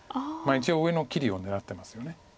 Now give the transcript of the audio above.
一応上の切りを狙ってますよね。